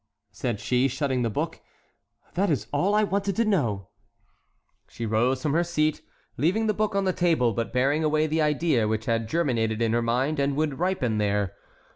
said she, shutting the book; "that is all I wanted to know." She rose from her seat, leaving the book on the table, but bearing away the idea which had germinated in her mind and would ripen there.